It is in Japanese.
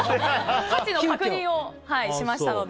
価値の確認をしましたので。